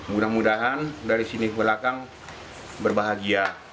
mudah mudahan dari sini ke belakang berbahagia